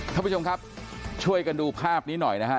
ท่านผู้ชมครับช่วยกันดูภาพนี้หน่อยนะฮะ